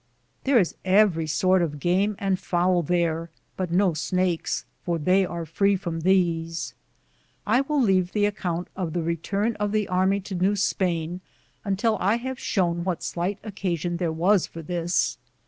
There is every sort of game and fowl there, but no snakes, for they are free from these. I will leave the account of the return of the army to New Spain until I have shown what slight occasion there was for this.